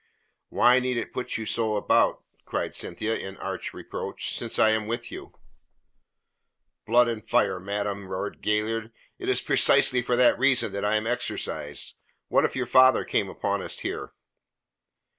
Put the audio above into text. "Why need it put you so about," cried Cynthia, in arch reproach, "since I am with you?" "Blood and fire, madam," roared Galliard, "it is precisely for that reason that I am exercised. What if your father came upon us here?"